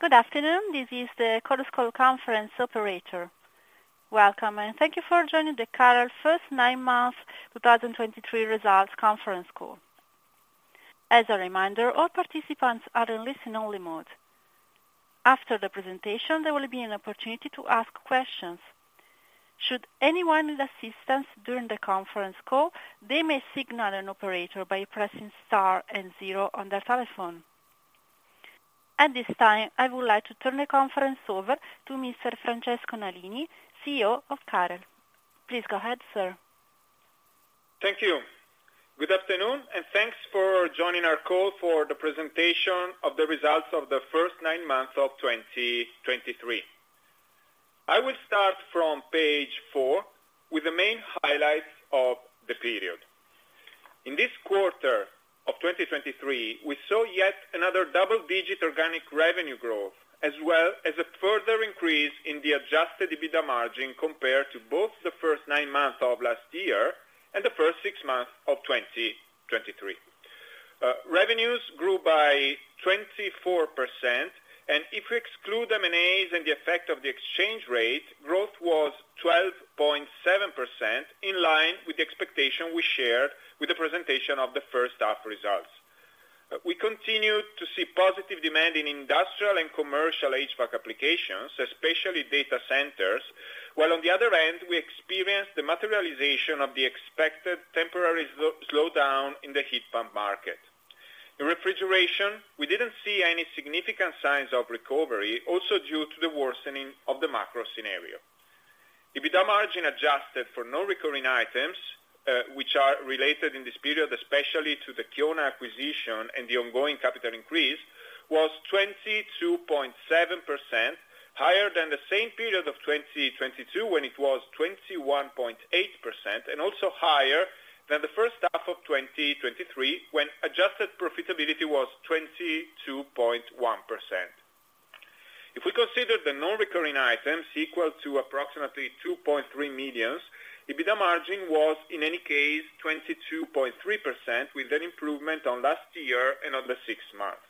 Good afternoon, this is the Chorus Call Conference Operator. Welcome, and thank you for joining the CAREL first nine months 2023 results conference call. As a reminder, all participants are in listen-only mode. After the presentation, there will be an opportunity to ask questions. Should anyone need assistance during the conference call, they may signal an operator by pressing star and zero on their telephone. At this time, I would like to turn the conference over to Mr. Francesco Nalini, CEO of CAREL. Please go ahead, sir. Thank you. Good afternoon, and thanks for joining our call for the presentation of the results of the first nine months of 2023. I will start from page four, with the main highlights of the period. In this quarter of 2023, we saw yet another double-digit organic revenue growth, as well as a further increase in the Adjusted EBITDA margin compared to both the first nine months of last year and the first six months of 2023. Revenues grew by 24%, and if we exclude M&As and the effect of the exchange rate, growth was 12.7%, in line with the expectation we shared with the presentation of the first half results. We continued to see positive demand in industrial and commercial HVAC applications, especially data centers, while on the other end, we experienced the materialization of the expected temporary slowdown in the heat pump market. In refrigeration, we didn't see any significant signs of recovery, also due to the worsening of the macro scenario. EBITDA margin adjusted for non-recurring items, which are related in this period, especially to the Kiona acquisition and the ongoing capital increase, was 22.7%, higher than the same period of 2022, when it was 21.8%, and also higher than the first half of 2023, when adjusted profitability was 22.1%. If we consider the non-recurring items equal to approximately 2.3 million, EBITDA margin was, in any case, 22.3%, with an improvement on last year and on the sixth month.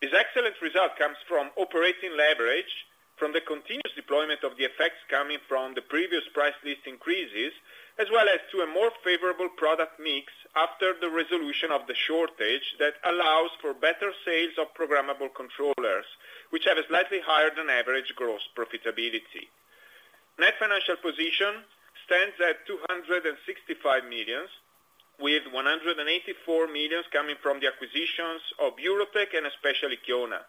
This excellent result comes from operating leverage, from the continuous deployment of the effects coming from the previous price list increases, as well as to a more favorable product mix after the resolution of the shortage that allows for better sales of programmable controllers, which have a slightly higher than average gross profitability. Net financial position stands at 265 million, with 184 million coming from the acquisitions of Eurotec and especially Kiona.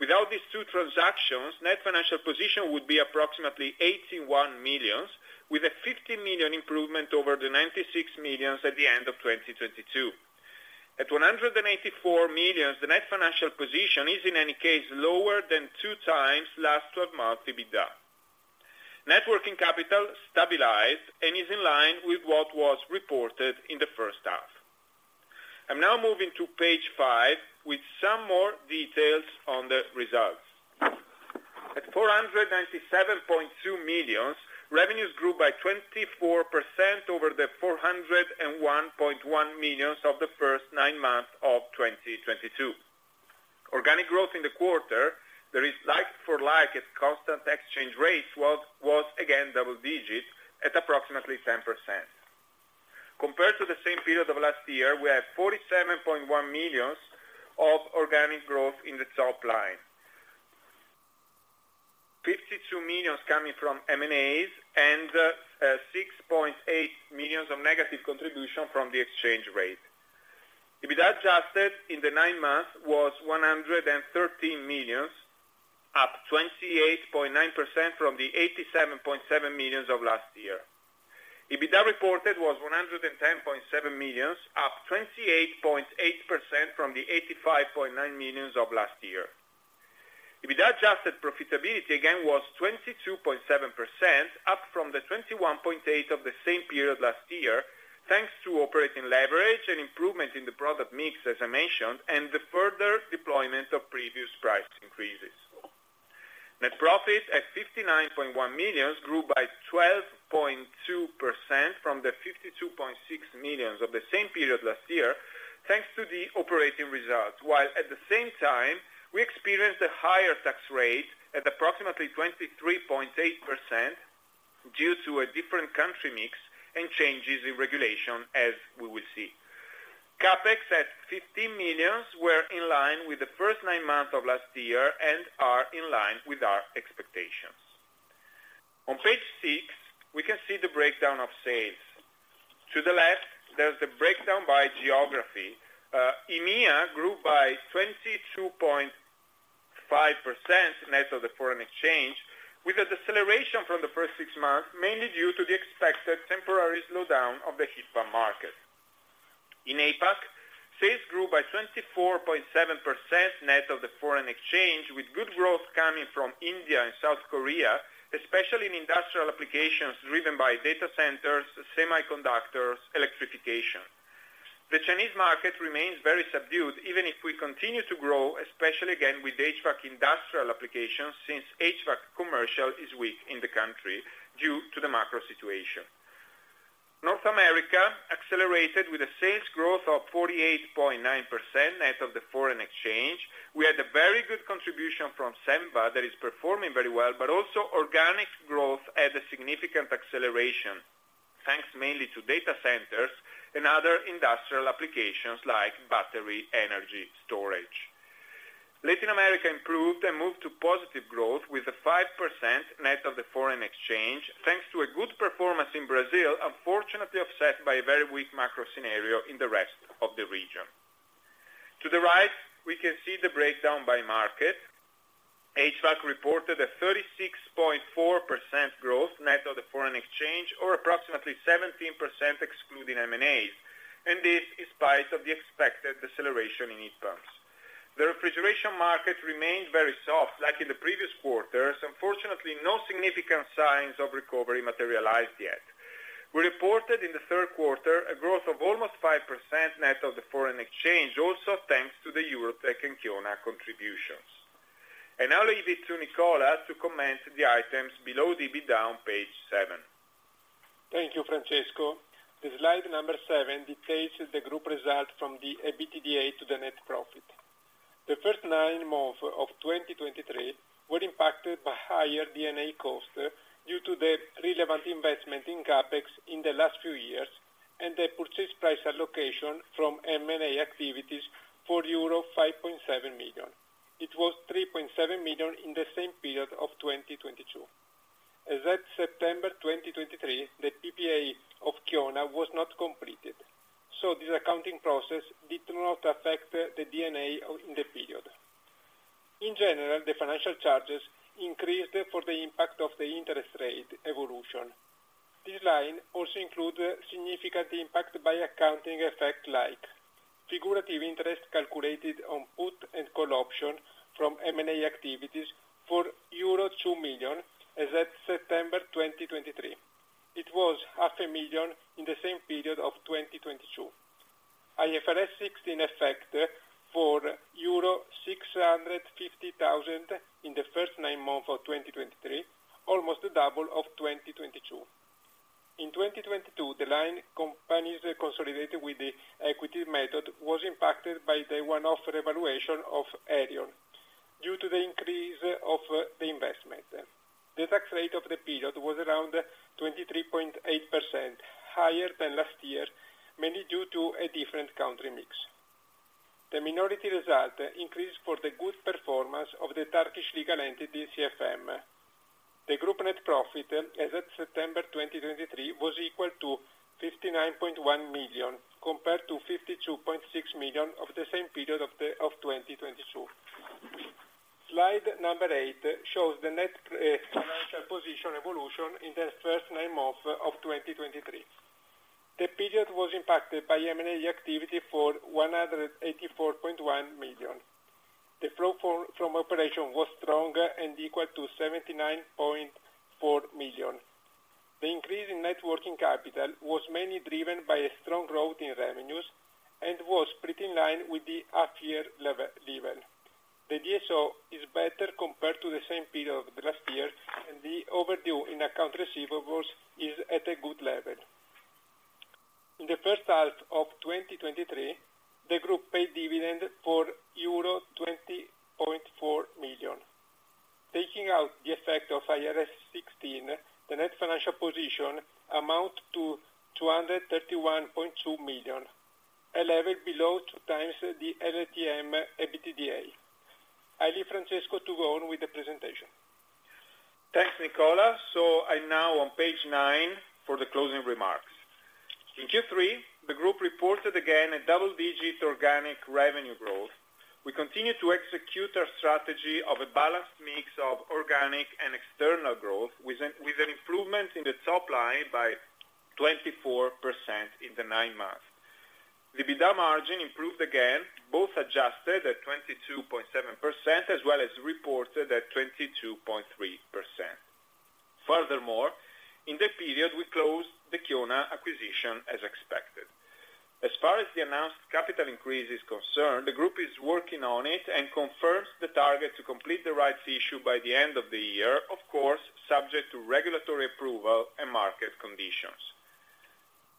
Without these two transactions, net financial position would be approximately 81 million, with a 50 million improvement over the 96 million at the end of 2022. At 184 million, the net financial position is, in any case, lower than two times last 12 months EBITDA. Net working capital stabilized and is in line with what was reported in the first half. I'm now moving to page five, with some more details on the results. At 497.2 million, revenues grew by 24% over the 401.1 million of the first nine months of 2022. Organic growth in the quarter, there is like for like, at constant exchange rates, was again double digits, at approximately 10%. Compared to the same period of last year, we have 47.1 million of organic growth in the top line. EUR 52 million coming from M&A, and six point eight million of negative contribution from the exchange rate. EBITDA adjusted in the nine months was 113 million, up 28.9% from the 87.7 million of last year. EBITDA reported was 110.7 million, up 28.8% from the 85.9 million of last year. EBITDA adjusted profitability, again, was 22.7%, up from the 21.8% of the same period last year, thanks to operating leverage and improvement in the product mix, as I mentioned, and the further deployment of previous price increases. Net profit, at 59.1 million, grew by 12.2% from the 52.6 million of the same period last year, thanks to the operating results, while at the same time, we experienced a higher tax rate at approximately 23.8%, due to a different country mix and changes in regulation, as we will see. CapEx at 15 million, were in line with the first nine months of last year and are in line with our expectations. On page six, we can see the breakdown of sales. To the left, there's the breakdown by geography. EMEA grew by 22.5% net of the foreign exchange, with a deceleration from the first six months, mainly due to the expected temporary slowdown of the heat pump market. In APAC, sales grew by 24.7% net of the foreign exchange, with good growth coming from India and South Korea, especially in industrial applications driven by data centers, semiconductors, electrification. The Chinese market remains very subdued, even if we continue to grow, especially again, with HVAC industrial applications, since HVAC commercial is weak in the country due to the macro situation. North America accelerated with a sales growth of 48.9% net of the foreign exchange. We had a very good contribution from SENVA that is performing very well, but also organic growth had a significant acceleration, thanks mainly to data centers and other industrial applications like battery energy storage. Latin America improved and moved to positive growth with a 5% net of the foreign exchange, thanks to a good performance in Brazil, unfortunately, offset by a very weak macro scenario in the rest of the region. To the right, we can see the breakdown by market. HVAC reported a 36.4% growth net of the foreign exchange, or approximately 17% excluding M&As, and this in spite of the expected deceleration in heat pumps. The refrigeration market remained very soft, like in the previous quarters. Unfortunately, no significant signs of recovery materialized yet. We reported in the third quarter a growth of almost 5% net of the foreign exchange, also thanks to the Eurotec and Kiona contributions. I now leave it to Nicola to comment the items below the EBITDA on page seven. Thank you, Francesco. The slide number seven details the group result from the EBITDA to the net profit. The first nine months of 2023 were impacted by higher D&A cost, due to the relevant investment in CapEx in the last few years, and the purchase price allocation from M&A activities for euro 5.7 million. It was 3.7 million in the same period of 2022. As at September 2023, the PPA of Kiona was not completed, so this accounting process did not affect the D&A in the period. In general, the financial charges increased for the impact of the interest rate evolution. This line also includes significant impact by accounting effect, like figurative interest calculated on put and call option from M&A activities for euro 2 million, as at September 2023. It was 500,000 in the same period of 2022. IFRS 16 effect for euro 650,000 in the first nine months of 2023, almost double of 2022. In 2022, the line companies consolidated with the equity method was impacted by the one-off revaluation of Arion due to the increase of the investment. The tax rate of the period was around 23.8%, higher than last year, mainly due to a different country mix. The minority result increased for the good performance of the Turkish legal entity, CFM. The group net profit, as at September 2023, was equal to 59.1 million, compared to 52.6 million of the same period of 2022. Slide number eight shows the net financial position evolution in the first nine months of 2023. The period was impacted by M&A activity for 184.1 million. The flow from operation was stronger and equal to 79.4 million. The increase in net working capital was mainly driven by a strong growth in revenues and was pretty in line with the half-year level. The DSO is better compared to the same period of the last year, and the overdue in accounts receivable is at a good level. In the first half of 2023, the group paid dividend for euro 20.4 million. Taking out the effect of IFRS 16, the net financial position amounts to 231.2 million, a level below two times the LTM EBITDA. I leave Francesco to go on with the presentation. Thanks, Nicola. So I'm now on page nine for the closing remarks. In Q3, the group reported again a double-digit organic revenue growth. We continue to execute our strategy of a balanced mix of organic and external growth, with an improvement in the top line by 24% in the nine months. The EBITDA margin improved again, both adjusted at 22.7%, as well as reported at 22.3%. Furthermore, in the period, we closed the Kiona acquisition as expected. As far as the announced capital increase is concerned, the group is working on it and confirms the target to complete the rights issue by the end of the year, of course, subject to regulatory approval and market conditions.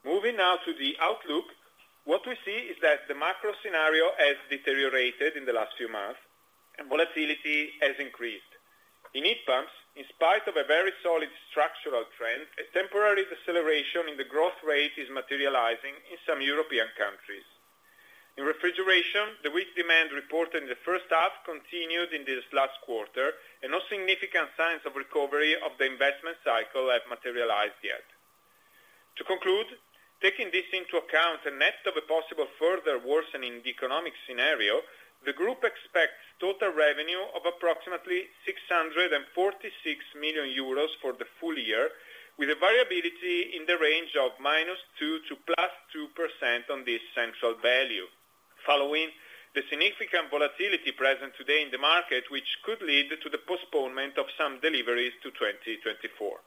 Moving now to the outlook, what we see is that the macro scenario has deteriorated in the last few months, and volatility has increased. In heat pumps, in spite of a very solid structural trend, a temporary deceleration in the growth rate is materializing in some European countries. In refrigeration, the weak demand reported in the first half continued in this last quarter, and no significant signs of recovery of the investment cycle have materialized yet. To conclude, taking this into account and net of a possible further worsening economic scenario, the group expects total revenue of approximately 646 million euros for the full year, with a variability in the range of -2% to +2% on this central value, following the significant volatility present today in the market, which could lead to the postponement of some deliveries to 2024.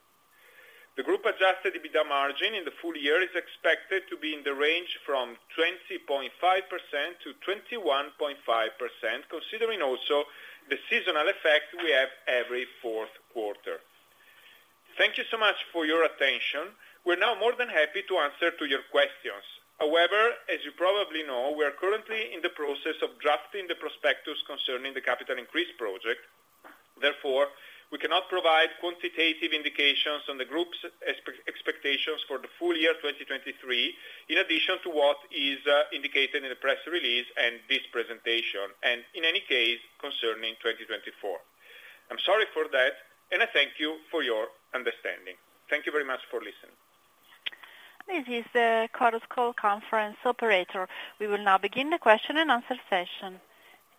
The group-Adjusted EBITDA margin in the full year is expected to be in the range 20.5%-21.5%, considering also the seasonal effect we have every fourth quarter. Thank you so much for your attention. We're now more than happy to answer to your questions. However, as you probably know, we are currently in the process of drafting the prospectus concerning the capital increase project. Therefore, we cannot provide quantitative indications on the group's expectations for the full year 2023, in addition to what is indicated in the press release and this presentation, and in any case, concerning 2024. I'm sorry for that, and I thank you for your understanding. Thank you very much for listening. This is the Chorus Call Conference Operator. We will now begin the question and answer session.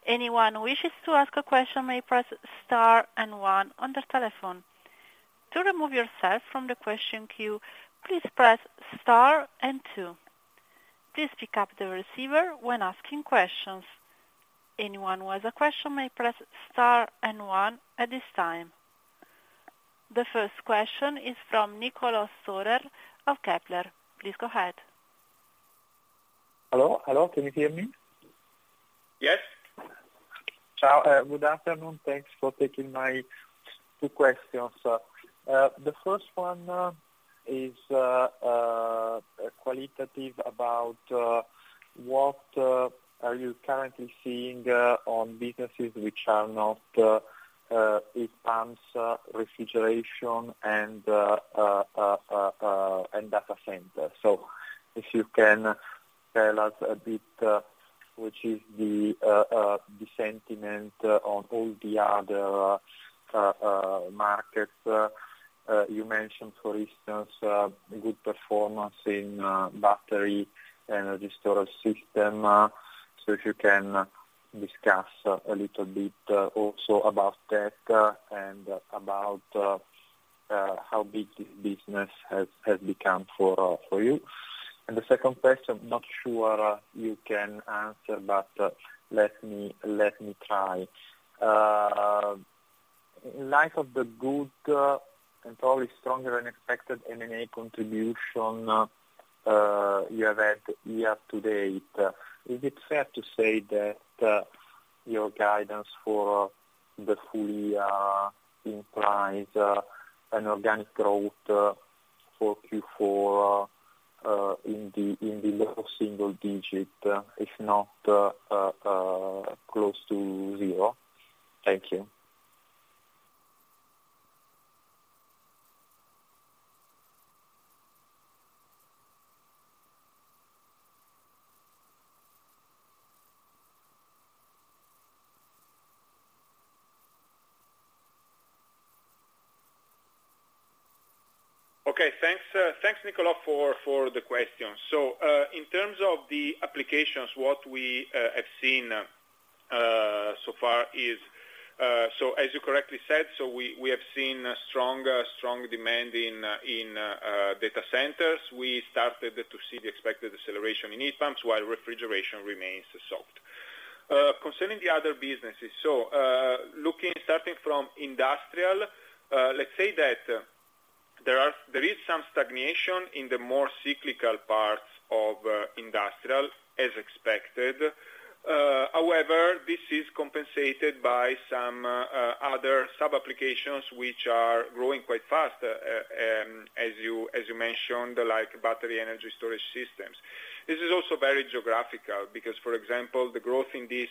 Anyone who wishes to ask a question may press star and one on their telephone. To remove yourself from the question queue, please press star and two. Please pick up the receiver when asking questions. Anyone who has a question may press star and one at this time. The first question is from Niccolò Storer of Kepler. Please go ahead. Hello, hello, can you hear me? Yes. Ciao, good afternoon. Thanks for taking my two questions. The first one is qualitative about what are you currently seeing on businesses which are not heat pumps, refrigeration, and data center? So if you can tell us a bit, which is the sentiment on all the other markets. You mentioned, for instance, good performance in battery energy storage system. So if you can discuss a little bit also about that and about how big this business has become for you. And the second question, not sure you can answer, but let me try. In light of the good and probably stronger than expected M&A contribution you have had year to date, is it fair to say that your guidance for the full year implies an organic growth for Q4 in the low single digit, if not close to zero? Thank you. Okay. Thanks, Niccolò, for the question. So, in terms of the applications, what we have seen so far is, so as you correctly said, so we have seen strong demand in data centers. We started to see the expected deceleration in heat pumps while refrigeration remains soft. Concerning the other businesses, so, looking starting from industrial, let's say that, there is some stagnation in the more cyclical parts of industrial as expected. However, this is compensated by some other sub-applications which are growing battery energy storage systems. this is also very geographical, because, for example, the growth in these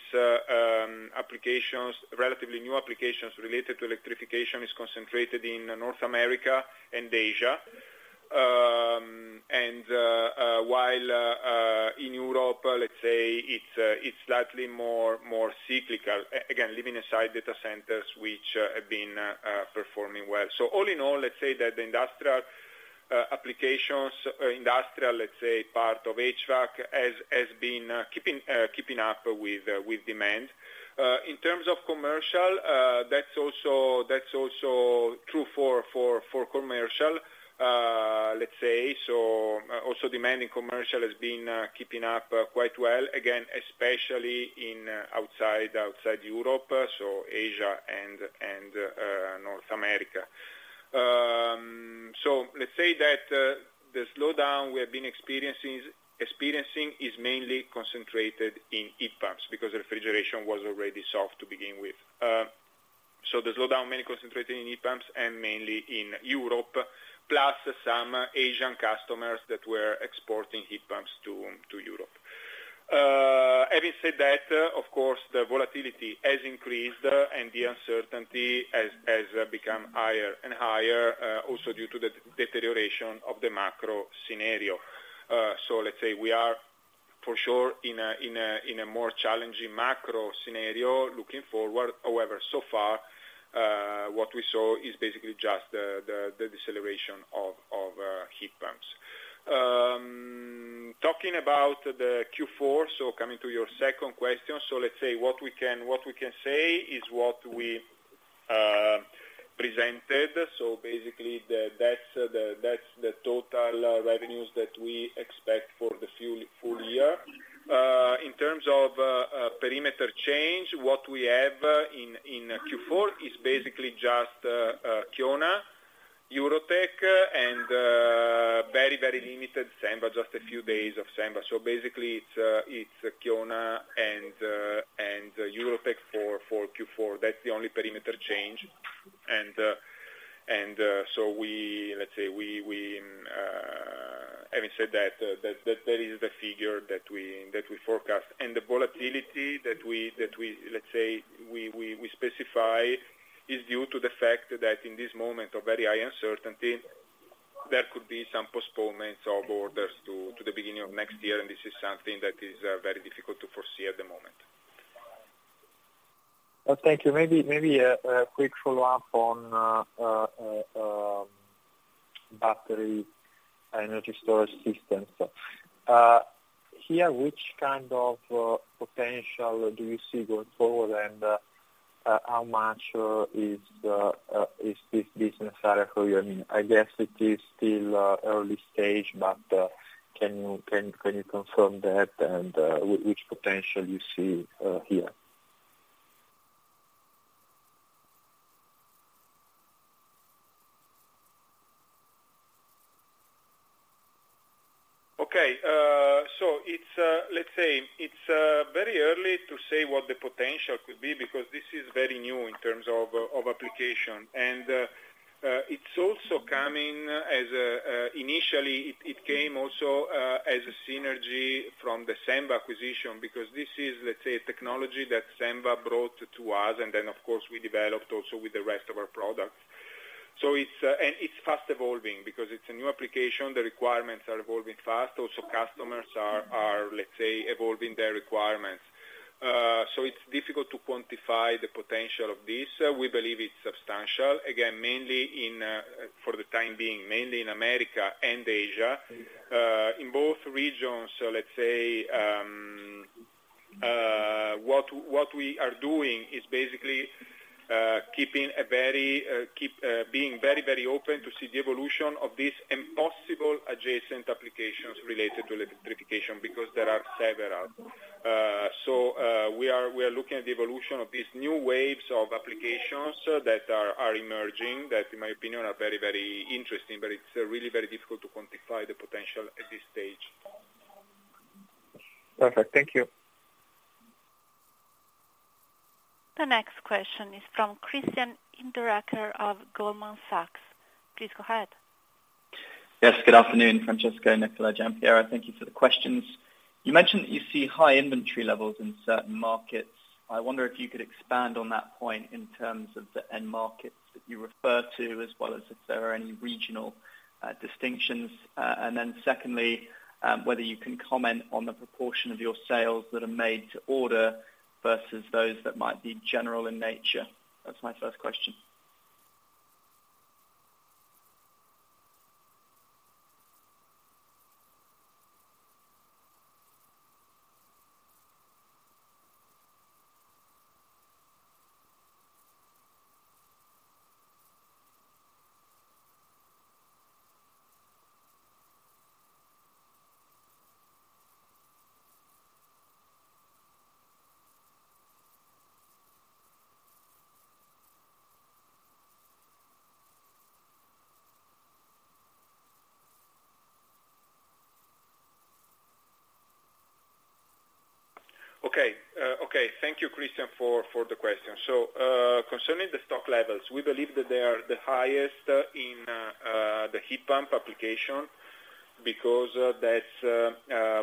applications, relatively new applications related to electrification, is concentrated in North America and Asia. While in Europe, let's say it's slightly more cyclical. Again, leaving aside data centers which have been performing well. All in all, let's say that the industrial applications, let's say, part of HVAC has been keeping up with demand. In terms of commercial, that's also true for commercial, let's say. Also demand in commercial has been keeping up quite well, again, especially outside Europe, so Asia and North America. Let's say that the slowdown we have been experiencing is mainly concentrated in heat pumps, because refrigeration was already soft to begin with. So the slowdown mainly concentrated in heat pumps and mainly in Europe, plus some Asian customers that were exporting heat pumps to Europe. Having said that, of course, the volatility has increased, and the uncertainty has become higher and higher, also due to the deterioration of the macro scenario. So let's say we are for sure in a more challenging macro scenario looking forward. However, so far, what we saw is basically just the deceleration of heat pumps. Talking about the Q4, so coming to your second question, so let's say what we can say is what we presented. So basically, that's the total revenues that we expect for the full year. In terms of perimeter change, what we have in Q4 is basically just Kiona, Eurotec, and very, very limited SENVA, just a few days of SENVA. So basically, it's Kiona and Eurotec for Q4. That's the only perimeter change. And so we, let's say, having said that, that is the figure that we forecast. And the volatility that we, let's say, specify is due to the fact that in this moment of very high uncertainty, there could be some postponements of orders to the beginning of next year, and this is something that is very difficult to foresee at the moment. Well, thank battery energy storage systems. here, which kind of potential do you see going forward, and how much is this business area for you? I mean, I guess it is still early stage, but can you confirm that and which potential you see here? Okay. So it's, let's say it's very early to say what the potential could be, because this is very new in terms of application. And it's also coming as a, initially, it came also as a synergy from the SENVA acquisition, because this is, let's say, a technology that SENVA brought to us, and then, of course, we developed also with the rest of our products. So it's and it's fast evolving because it's a new application, the requirements are evolving fast. Also, customers are, let's say, evolving their requirements. So it's difficult to quantify the potential of this. We believe it's substantial. Again, mainly in, for the time being, mainly in America and Asia. In both regions, so let's say, what we are doing is basically being very, very open to see the evolution of this and possible adjacent applications related to electrification, because there are several. So, we are looking at the evolution of these new waves of applications that are emerging, that, in my opinion, are very, very interesting, but it's really very difficult to quantify the potential at this stage. Perfect. Thank you. The next question is from Christian Hinderaker of Goldman Sachs. Please go ahead. Yes, good afternoon, Francesco, Nicola, Giampiero. Thank you for the questions. You mentioned that you see high inventory levels in certain markets. I wonder if you could expand on that point in terms of the end markets that you refer to, as well as if there are any regional distinctions. And then secondly, whether you can comment on the proportion of your sales that are made to order versus those that might be general in nature. That's my first question. Okay. Okay. Thank you, Christian, for the question. So, concerning the stock levels, we believe that they are the highest in the heat pump application, because that's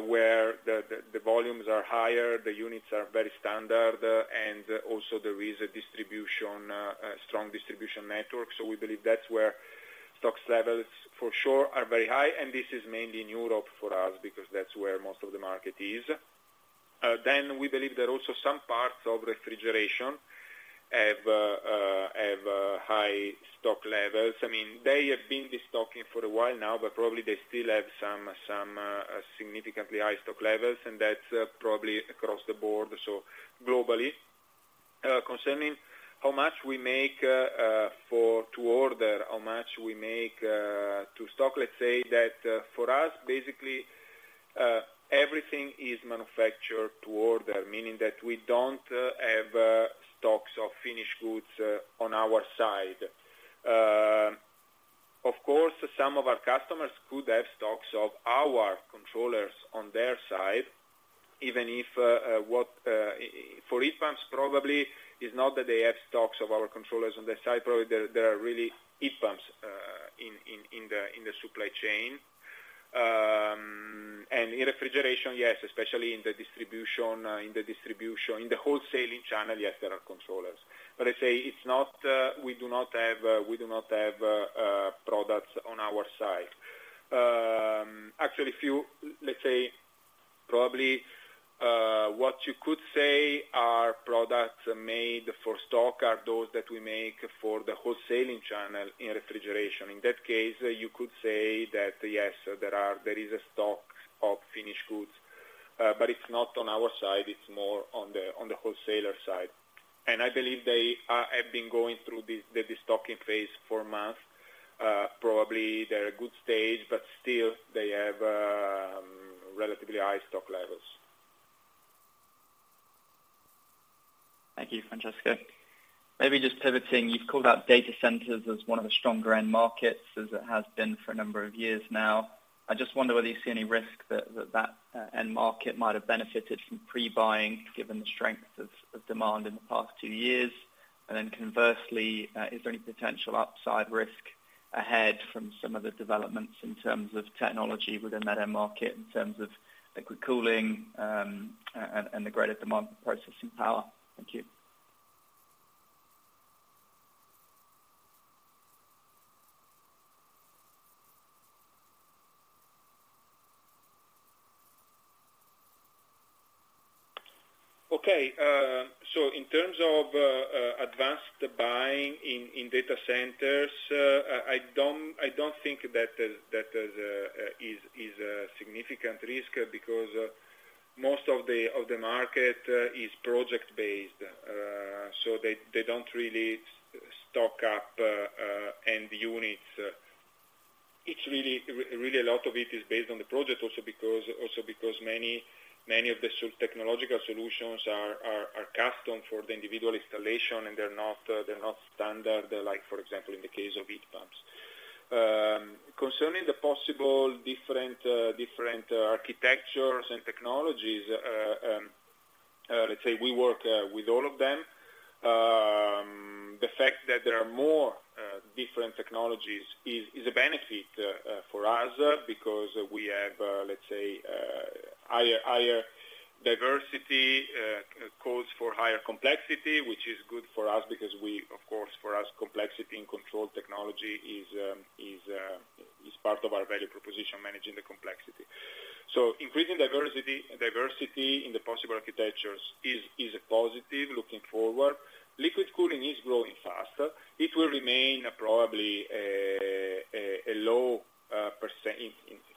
where the volumes are higher, the units are very standard, and also there is a strong distribution network. So we believe that's where stocks levels, for sure, are very high, and this is mainly in Europe for us, because that's where most of the market is. Then we believe there are also some parts of refrigeration have high stock levels. I mean, they have been de-stocking for a while now, but probably they still have some significantly high stock levels, and that's probably across the board, so globally. Concerning how much we make for to order, how much we make to stock, let's say that for us, basically, everything is manufactured to order, meaning that we don't have stocks of finished goods on our side. Of course, some of our customers could have stocks of our controllers on their side, even if for heat pumps, probably, it's not that they have stocks of our controllers on their side, probably there are really heat pumps in the supply chain. And in refrigeration, yes, especially in the distribution in the wholesaling channel, yes, there are controllers. But I say it's not. We do not have products on our side. Actually, let's say, probably, what you could say are products made for stock are those that we make for the wholesaling channel in refrigeration. In that case, you could say that, yes, there is a stock of finished goods, but it's not on our side, it's more on the wholesaler side. And I believe they have been going through this, the de-stocking phase for months. Probably they're a good stage, but still they have relatively high stock levels. Thank you, Francesco. Maybe just pivoting, you've called out data centers as one of the stronger end markets, as it has been for a number of years now. I just wonder whether you see any risk that end market might have benefited from pre-buying, given the strength of demand in the past two years? And then conversely, is there any potential upside risk ahead from some of the developments in terms of technology within that end market, in terms of liquid cooling, and the greater demand for processing power? Thank you. Okay, so in terms of advanced buying in data centers, I don't think that is a significant risk because most of the market is project-based. So they don't really stock up end units. It's really a lot of it is based on the project, also because many of the technological solutions are custom for the individual installation, and they're not standard, like for example, in the case of heat pumps. Concerning the possible different architectures and technologies, let's say we work with all of them. The fact that there are more different technologies is a benefit for us, because we have, let's say, higher diversity calls for higher complexity, which is good for us because, of course, for us, complexity and control technology is part of our value proposition, managing the complexity. So increasing diversity in the possible architectures is a positive looking forward. Liquid cooling is growing faster. It will remain probably a low percent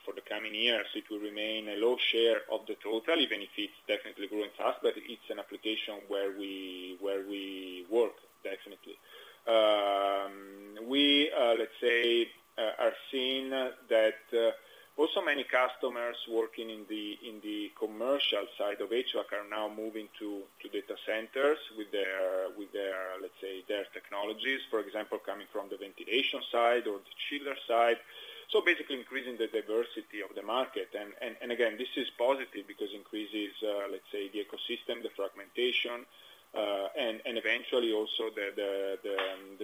for the coming years; it will remain a low share of the total, even if it's definitely growing fast. But it's an application where we work, definitely. We, let's say, are seeing that also many customers working in the commercial side of HVAC are now moving to data centers with their, let's say, their technologies, for example, coming from the ventilation side or the chiller side, so basically increasing the diversity of the market. And again, this is positive because increases, let's say, the ecosystem, the fragmentation, and eventually also the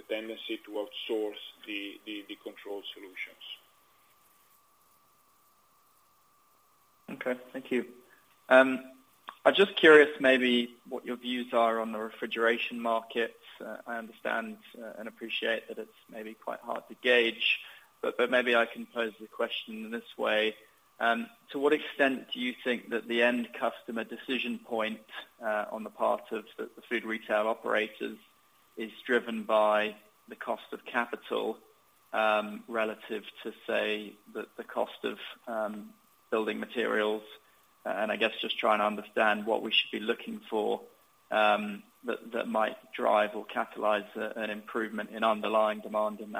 tendency to outsource the control solutions. Okay. Thank you. I'm just curious maybe what your views are on the refrigeration market. I understand and appreciate that it's maybe quite hard to gauge, but maybe I can pose the question in this way. To what extent do you think that the end customer decision point on the part of the food retail operators is driven by the cost of capital relative to, say, the cost of building materials? And I guess just trying to understand what we should be looking for that might drive or catalyze an improvement in underlying demand in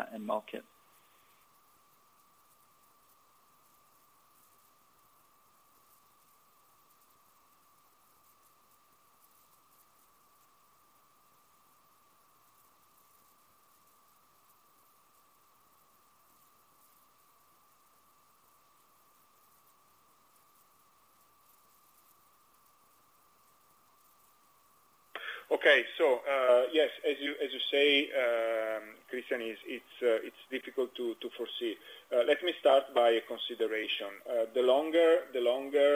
that end market. Okay. So, yes, as you say, Christian, it's difficult to foresee. Let me start by a consideration. The longer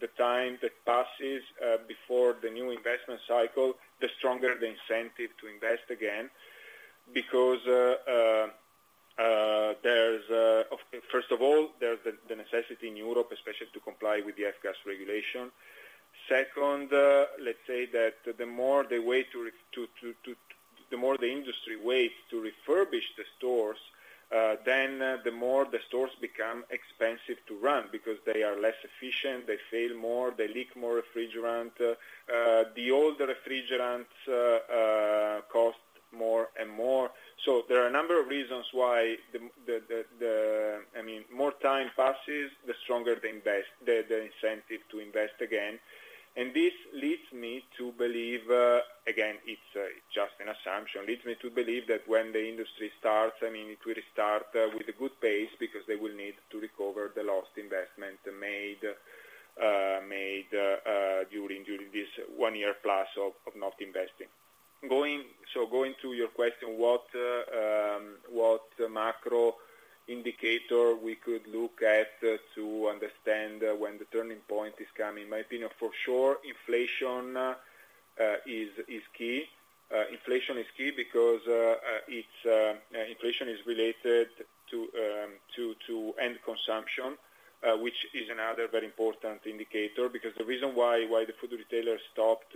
the time that passes before the new investment cycle, the stronger the incentive to invest again, because, first of all, there's the necessity in Europe, especially to comply with the F-gas regulation. Second, let's say that the more they wait to, the more the industry waits to refurbish the stores, then, the more the stores become expensive to run, because they are less efficient, they fail more, they leak more refrigerant. The older refrigerants cost more and more. So there are a number of reasons why the... I mean, more time passes, the stronger the investment, the incentive to invest again. And this leads me to believe, again, it's just an assumption, that when the industry starts, I mean, it will start with a good pace, because they will need to recover the lost investment made during this one year plus of not investing. So going to your question, what macro indicator we could look at to understand when the turning point is coming? In my opinion, for sure, inflation is key. Inflation is key because it's inflation is related to end consumption, which is another very important indicator. Because the reason why, why the food retailer stopped,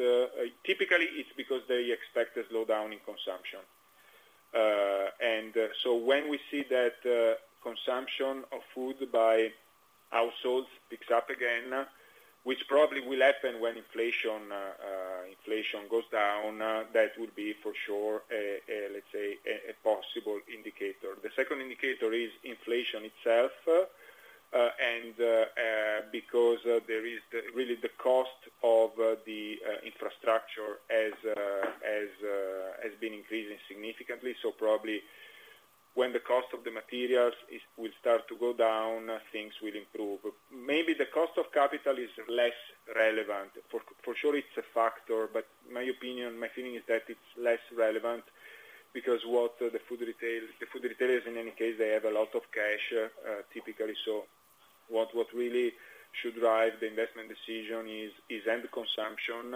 typically it's because they expect a slowdown in consumption. So when we see that, consumption of food by households picks up again, which probably will happen when inflation, inflation goes down, that will be for sure, let's say, a possible indicator. The second indicator is inflation itself, because there is really the cost of the infrastructure as has been increasing significantly. So probably when the cost of the materials will start to go down, things will improve. Maybe the cost of capital is less relevant. For sure, it's a factor, but my opinion, my feeling is that it's less relevant because what the food retail—the food retailers, in any case, they have a lot of cash, typically. So what really should drive the investment decision is end consumption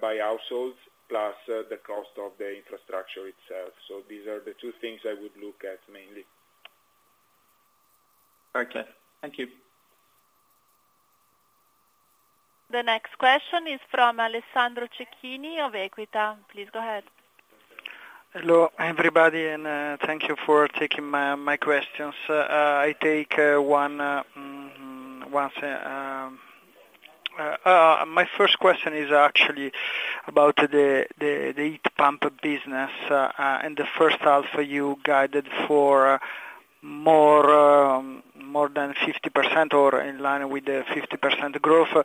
by households, plus the cost of the infrastructure itself. So these are the two things I would look at mainly. Very clear. Thank you. The next question is from Alessandro Cecchini of Equita. Please go ahead. Hello, everybody, and thank you for taking my questions. My first question is actually about the heat pump business, and the first half you guided for more than 50% or in line with the 50% growth.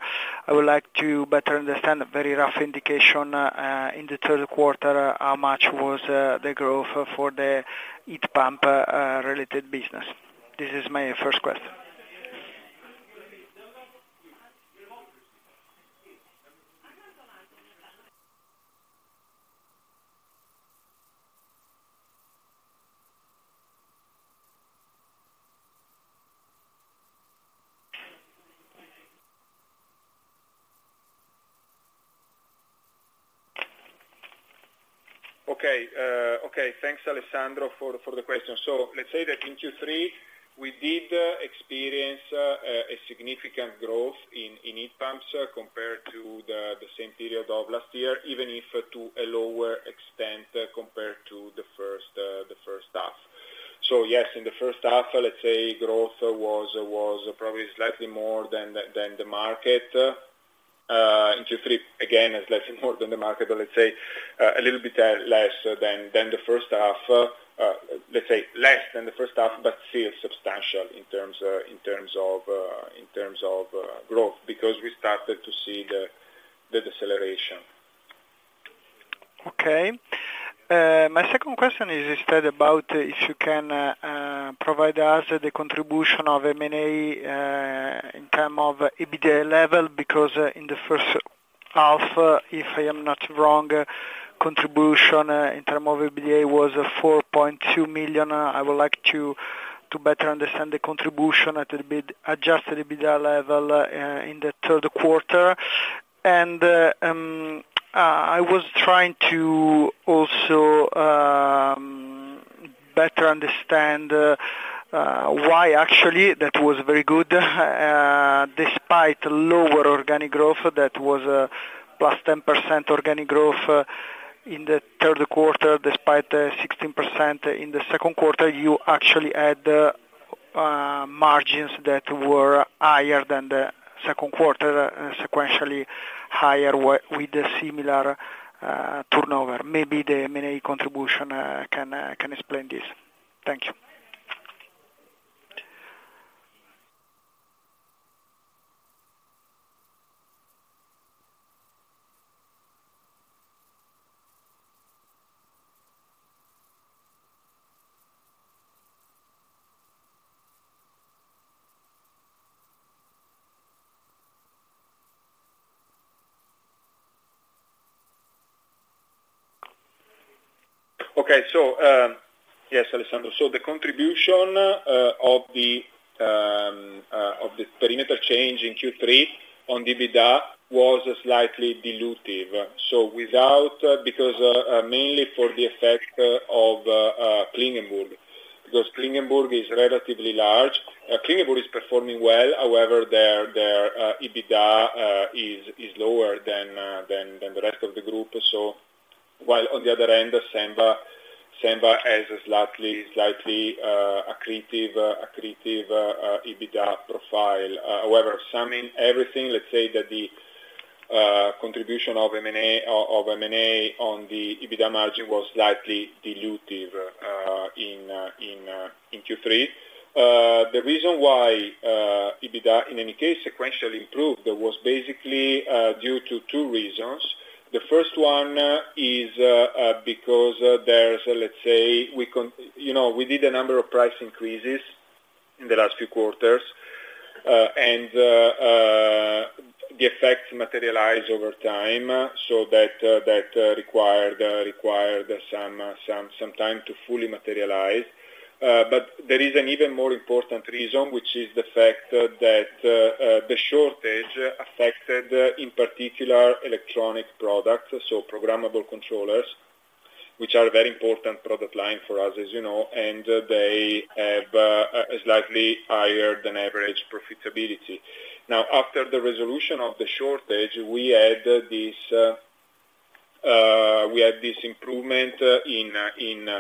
I would like to better understand a very rough indication in the third quarter, how much was the growth for the heat pump related business? This is my first question. Okay, okay, thanks, Alessandro, for the question. So let's say that in Q3, we did experience a significant growth in heat pumps compared to the same period of last year, even if to a lower extent compared to the first half. So yes, in the first half, let's say growth was probably slightly more than the market. In Q3, again, it's less more than the market, but let's say a little bit less than the first half. Let's say less than the first half, but still substantial in terms of growth, because we started to see the deceleration. Okay. My second question is instead about if you can provide us the contribution of M&A in term of EBITDA level, because in the first half, if I am not wrong, contribution in term of EBITDA was 4.2 million. I would like to better understand the contribution at a bit Adjusted EBITDA level in the third quarter. And I was trying to also better understand why actually that was very good despite lower organic growth, that was +10% organic growth in the third quarter, despite 16% in the second quarter, you actually had margins that were higher than the second quarter, sequentially higher with a similar turnover. Maybe the M&A contribution can explain this. Thank you. Okay. So, yes, Alessandro. So the contribution of the perimeter change in Q3 on EBITDA was slightly dilutive. So without, because, mainly for the effect of Klingenburg. Because Klingenburg is relatively large, Klingenburg is performing well, however, their EBITDA is lower than the rest of the group. So while on the other end, the SENVA has a slightly accretive EBITDA profile. However, summing everything, let's say that the contribution of M&A on the EBITDA margin was slightly dilutive in Q3. The reason why EBITDA, in any case, sequentially improved, was basically due to two reasons. The first one is because there's, let's say, you know, we did a number of price increases in the last few quarters, and the effects materialize over time, so that required some time to fully materialize. But there is an even more important reason, which is the fact that the shortage affected in particular electronic products, so programmable controllers, which are a very important product line for us, as you know, and they have a slightly higher than average profitability. Now, after the resolution of the shortage, we had this improvement in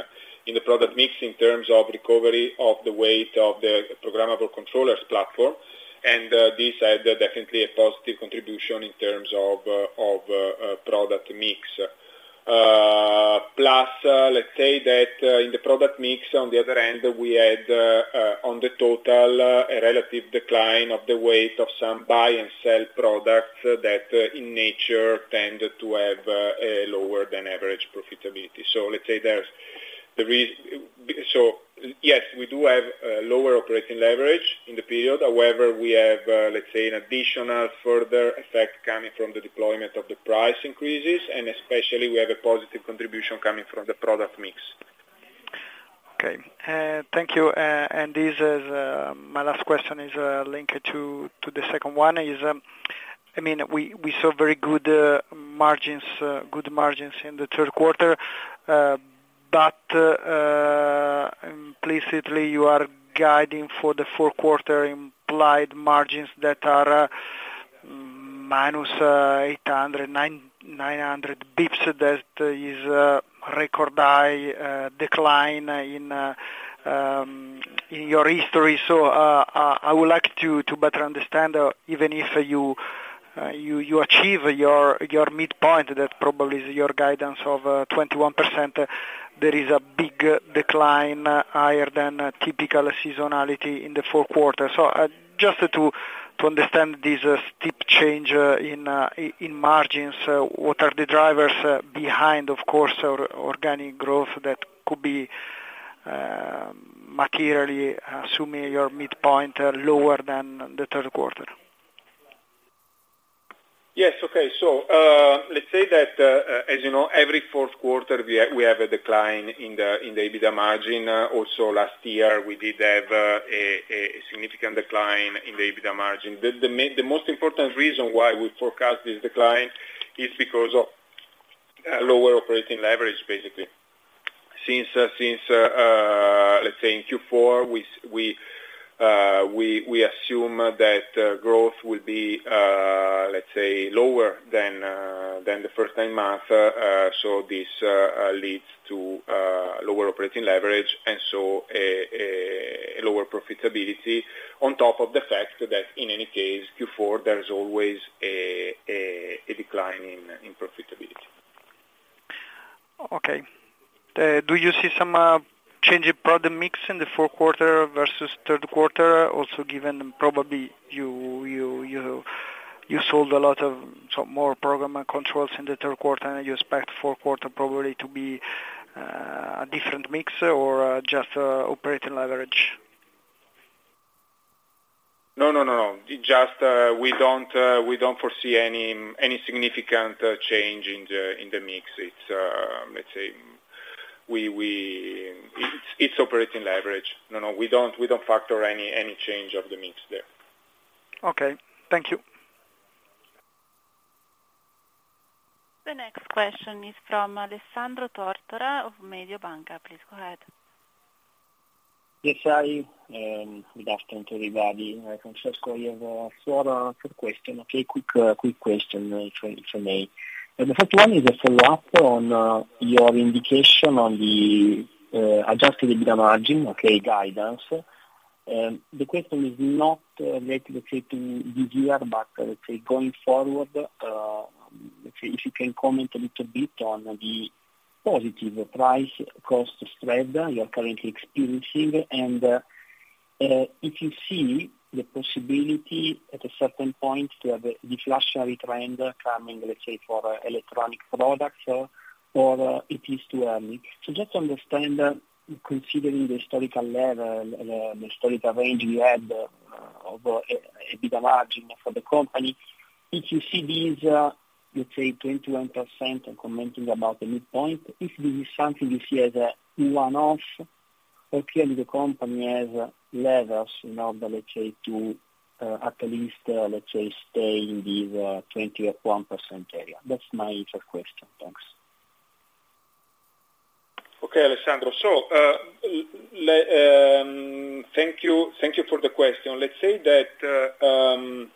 the product mix in terms of recovery of the weight of the programmable controllers platform.... This had definitely a positive contribution in terms of product mix. Plus, let's say that in the product mix, on the other hand, we had on the total a relative decline of the weight of some buy and sell products that in nature tended to have a lower than average profitability. So yes, we do have lower operating leverage in the period. However, we have let's say an additional further effect coming from the deployment of the price increases, and especially we have a positive contribution coming from the product mix. Okay, thank you. And this is my last question, linked to the second one. I mean, we saw very good margins, good margins in the third quarter, but implicitly, you are guiding for the fourth quarter implied margins that are minus 800-900 bps. That is a record high decline in your history. So, I would like to better understand, even if you achieve your midpoint, that probably is your guidance of 21%, there is a big decline higher than typical seasonality in the fourth quarter. So, just to understand this steep change in margins, what are the drivers behind, of course, our organic growth that could be materially assuming your midpoint lower than the third quarter? Yes. Okay. So, let's say that, as you know, every fourth quarter, we have a decline in the EBITDA margin. Also, last year, we did have a significant decline in the EBITDA margin. The most important reason why we forecast this decline is because of lower operating leverage, basically. Since, let's say in Q4, we assume that growth will be, let's say, lower than the first nine months. So this leads to lower operating leverage, and so a lower profitability on top of the fact that in any case, Q4, there is always a decline in profitability. Okay. Do you see some change in product mix in the fourth quarter versus third quarter? Also, given probably you sold a lot of sort of more programmable controllers in the third quarter, and you expect fourth quarter probably to be a different mix or just operating leverage? No, no, no, no. Just, we don't foresee any significant change in the mix. It's, let's say, it's operating leverage. No, no, we don't factor any change of the mix there. Okay. Thank you. The next question is from Alessandro Tortora of Mediobanca. Please go ahead. Yes, hi, good afternoon, everybody. Francesco, you have four questions. Okay, quick question from me. And the first one is a follow-up on your indication on the Adjusted EBITDA margin, okay, guidance. The question is not related, let's say, to this year, but, let's say, going forward, let's say, if you can comment a little bit on the positive price cost spread you are currently experiencing, and if you see the possibility at a certain point to have a deflationary trend coming, let's say, for electronic products or it is too early. To just understand, considering the historical level, the historical range you had of EBITDA margin for the company, if you see these, let's say, 21%, I'm commenting about the midpoint, if this is something you see as a one-off, or clearly the company has levers in order, let's say, to, at least, let's say, stay in this, 21% area. That's my first question. Thanks. Okay, Alessandro. So, thank you. Thank you for the question. Let's say that,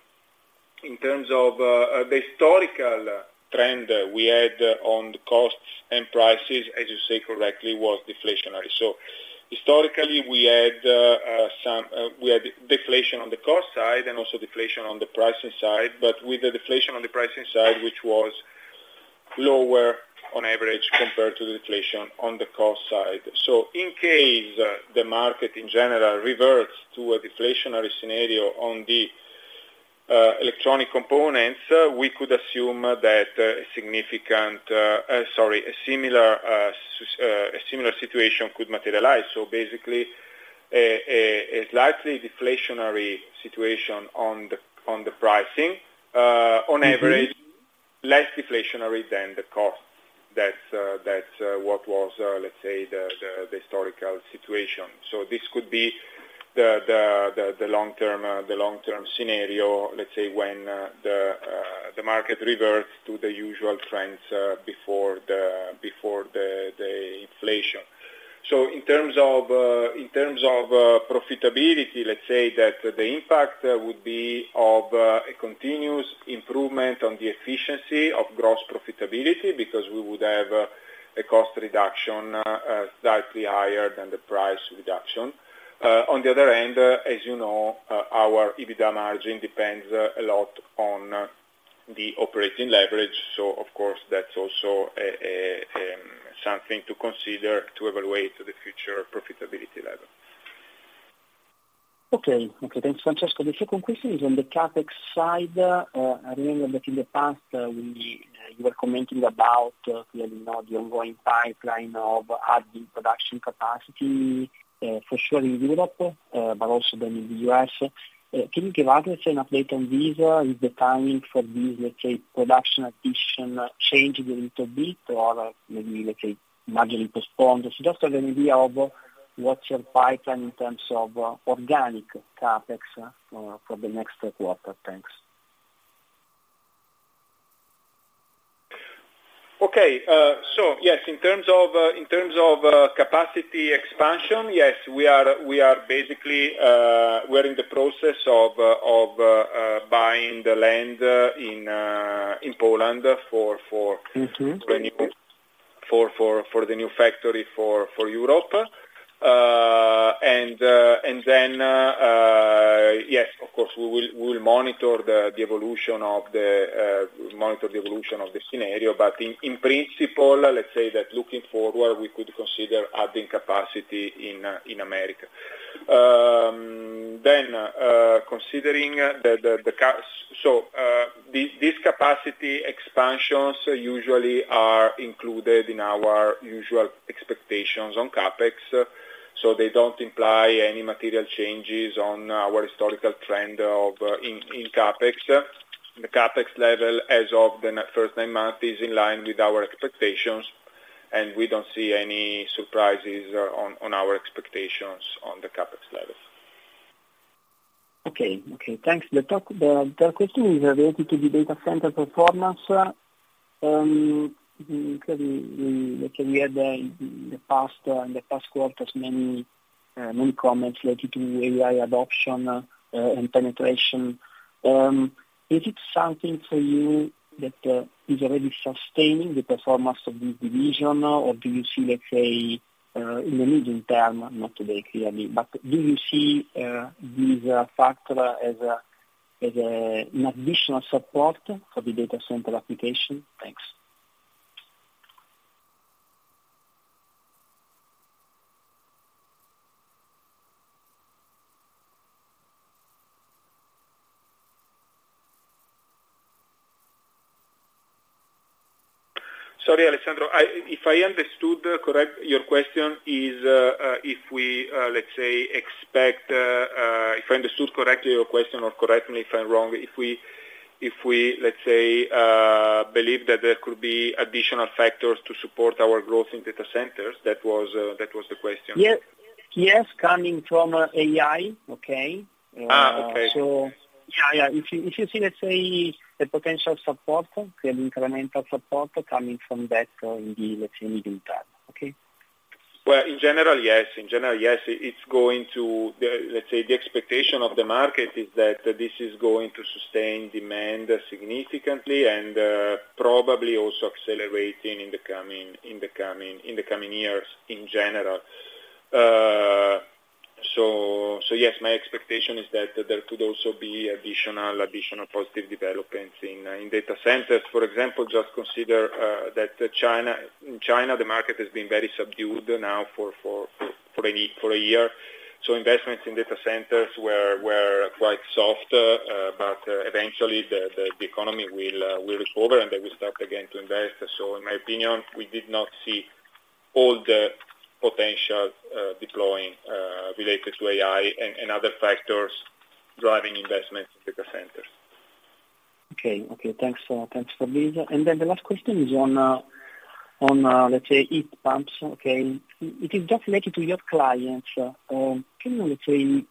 in terms of, the historical trend we had on the costs and prices, as you say correctly, was deflationary. So historically, we had deflation on the cost side and also deflation on the pricing side, but with the deflation on the pricing side, which was lower on average compared to the deflation on the cost side. So in case the market in general reverts to a deflationary scenario on the, electronic components, we could assume that a similar situation could materialize. So basically, a slightly deflationary situation on the pricing, on average, less deflationary than the cost. That's, that's what was, let's say, the historical situation. So this could be the long-term scenario, let's say, when the market reverts to the usual trends before the inflation. So in terms of profitability, let's say that the impact would be of a continuous improvement on the efficiency of gross profitability, because we would have a cost reduction slightly higher than the price reduction. On the other hand, as you know, our EBITDA margin depends a lot on the operating leverage, so of course, that's also a something to consider to evaluate the future profitability level. Okay. Okay, thanks, Francesco. The second question is on the CapEx side. I remember that in the past, you were commenting about, you know, the ongoing pipeline of adding production capacity, for sure in Europe, but also then in the U.S. Can you give us an update on this? Is the timing for this, let's say, production addition changed a little bit, or maybe, let's say, marginally postponed? Just to have an idea of what's your pipeline in terms of, organic CapEx, for the next quarter. Thanks. Okay. So yes, in terms of capacity expansion, yes, we are basically we're in the process of buying the land in Poland for, for- Mm-hmm. for the new factory for Europe. Then, yes, of course, we will monitor the evolution of the scenario, but in principle, let's say that looking forward, we could consider adding capacity in America. Then, so these capacity expansions usually are included in our usual expectations on CapEx, so they don't imply any material changes on our historical trend of CapEx. The CapEx level, as of the first nine months, is in line with our expectations, and we don't see any surprises on our expectations on the CapEx level. Okay. Okay, thanks. The topic question is related to the data center performance. Clearly, we had in the past quarters many comments related to AI adoption and penetration. Is it something for you that is already sustaining the performance of this division, or do you see, let's say, in the medium term, not today, clearly, but do you see this factor as an additional support for the data center application? Thanks. Sorry, Alessandro. If I understood correctly your question, or correct me if I'm wrong, if we, let's say, believe that there could be additional factors to support our growth in data centers, that was the question? Yes. Yes, coming from AI, okay? Ah, okay. So yeah, yeah. If you see, let's say, the potential support, an incremental support coming from that in the, let's say, medium term, okay? Well, in general, yes. In general, yes, it's going to... The, let's say, the expectation of the market is that this is going to sustain demand significantly and probably also accelerating in the coming years, in general. So, so yes, my expectation is that there could also be additional positive developments in data centers. For example, just consider that in China, the market has been very subdued now for a year. So investments in data centers were quite soft, but eventually, the economy will recover, and they will start again to invest. So in my opinion, we did not see all the potential deploying related to AI and other factors driving investment in data centers. Okay. Okay, thanks for this. Then the last question is on heat pumps, okay? It is just related to your clients. Can you let's say,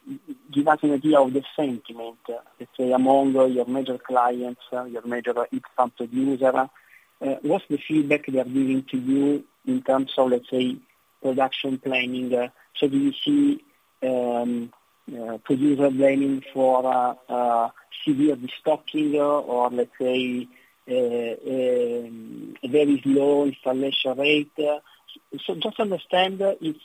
give us an idea of the sentiment, let's say, among your major clients, your major heat pump user? What's the feedback they are giving to you in terms of, let's say, production planning? So do you see producer planning for severe restocking or let's say a very low installation rate? So just understand if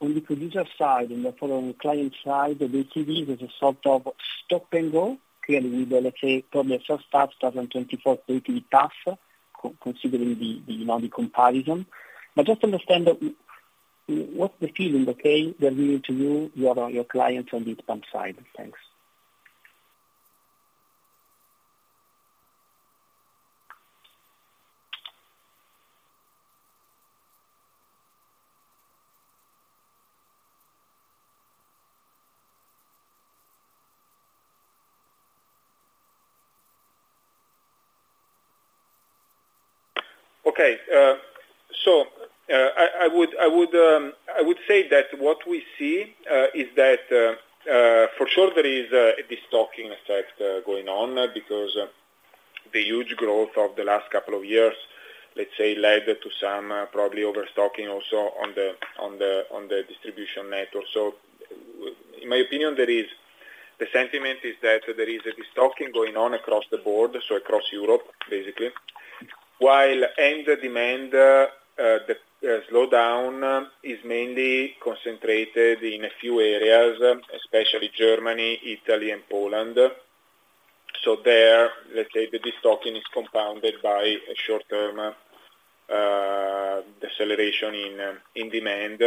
on the producer side, on the following client side, the HVAC, there's a sort of stop and go. Clearly, we will, let's say, probably a first start, 2024, 33 task, considering the, you know, the comparison. But just to understand, what's the feeling, okay, they're giving to you, your clients on the heat pump side. Thanks. Okay. So, I would say that what we see is that, for sure there is a destocking effect going on, because the huge growth of the last couple of years, let's say, led to some probably overstocking also on the distribution network. In my opinion, there is, the sentiment is that there is a destocking going on across the board, so across Europe, basically. While end demand, the slowdown is mainly concentrated in a few areas, especially Germany, Italy, and Poland. So there, let's say, the destocking is compounded by a short-term deceleration in demand.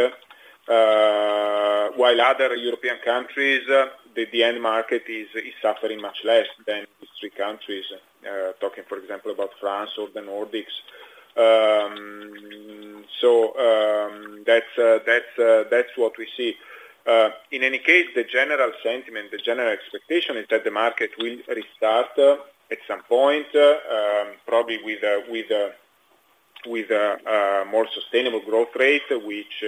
While other European countries, the end market is suffering much less than these three countries, talking, for example, about France or the Nordics. So, that's what we see. In any case, the general sentiment, the general expectation is that the market will restart at some point, probably with a more sustainable growth rate, which,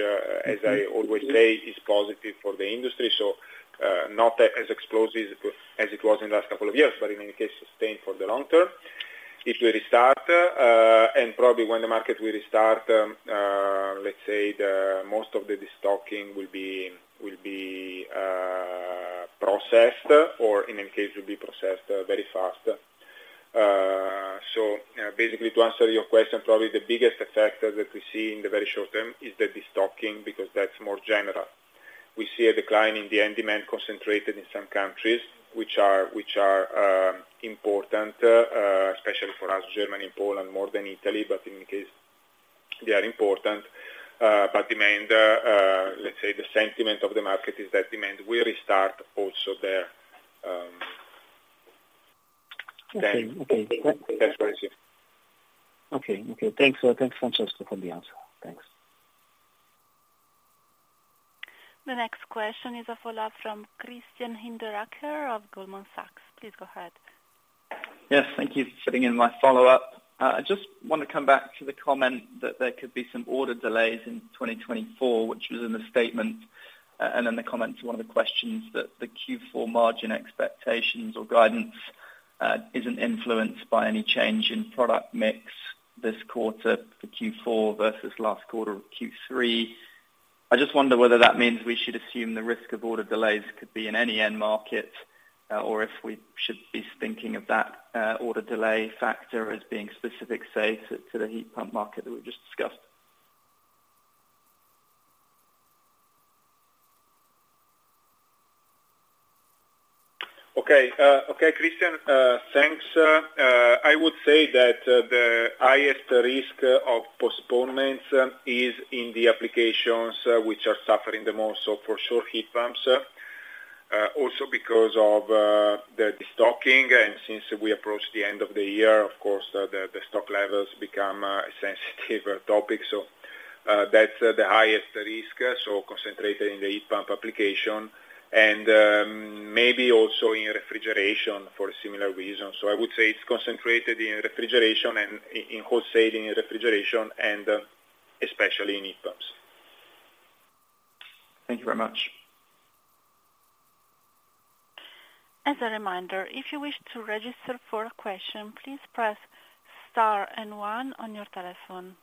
as I always say, is positive for the industry. So, not as explosive as it was in the last couple of years, but in any case, sustained for the long term. It will restart, and probably when the market will restart, let's say the most of the destocking will be processed, or in any case, will be processed very fast. So, basically, to answer your question, probably the biggest factor that we see in the very short term is the destocking, because that's more general. We see a decline in the end demand concentrated in some countries, which are important, especially for us, Germany, Poland, more than Italy, but in any case, they are important. But demand, let's say the sentiment of the market, is that demand will restart also there, then- Okay. Okay. That's what I see. Okay. Okay, thanks. Thanks, Francesco, for the answer. Thanks. The next question is a follow-up from Christian Hinderaker of Goldman Sachs. Please go ahead. Yes, thank you for fitting in my follow-up. I just want to come back to the comment that there could be some order delays in 2024, which was in the statement, and then the comment to one of the questions that the Q4 margin expectations or guidance isn't influenced by any change in product mix this quarter for Q4 versus last quarter of Q3. I just wonder whether that means we should assume the risk of order delays could be in any end market, or if we should be thinking of that order delay factor as being specific, say, to, to the heat pump market that we just discussed? Okay, okay, Christian, thanks. I would say that the highest risk of postponements is in the applications which are suffering the most, so for sure, heat pumps. Also because of the destocking, and since we approach the end of the year, of course, the stock levels become a sensitive topic. So, that's the highest risk, so concentrated in the heat pump application, and maybe also in refrigeration for a similar reason. So I would say it's concentrated in refrigeration and in wholesaling, in refrigeration, and especially in heat pumps. Thank you very much. As a reminder, if you wish to register for a question, please press star and one on your telephone.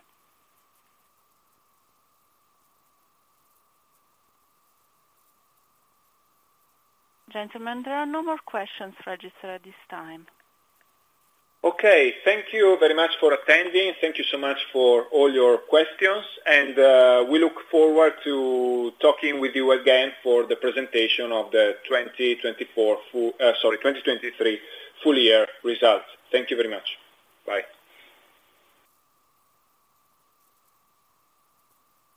Gentlemen, there are no more questions registered at this time. Okay. Thank you very much for attending. Thank you so much for all your questions, and we look forward to talking with you again for the presentation of the 2023 full year results. Thank you very much. Bye.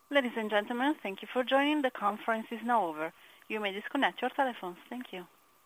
Ladies and gentlemen, thank you for joining. The conference is now over. You may disconnect your telephones. Thank you.